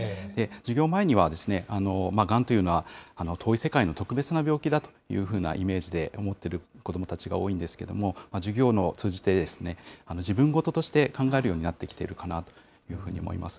授業前にはがんというのは遠い世界の特別な病気だというふうなイメージで思ってる子どもたちが多いんですけれども、授業を通じて、自分事として考えるようになってきているかなと思います。